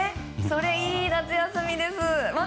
それいい夏休みです。